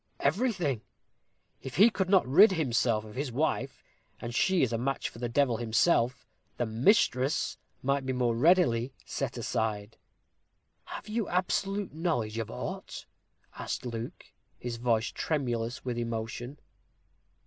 "Everything. If he could not rid himself of his wife and she is a match for the devil himself , the mistress might be more readily set aside." "Have you absolute knowledge of aught?" asked Luke, his voice tremulous with emotion.